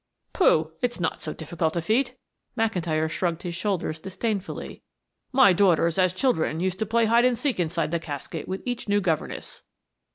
"Pooh! It's not so difficult a feat," McIntyre shrugged his shoulders disdainfully. "My daughters, as children, used to play hide and seek inside the casket with each new governess."